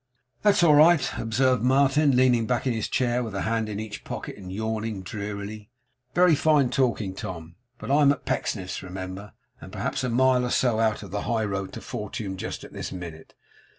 'That's all right,' observed Martin, leaning back in his chair with a hand in each pocket, and yawning drearily. 'Very fine talking, Tom; but I'm at Pecksniff's, I remember, and perhaps a mile or so out of the high road to fortune just at this minute.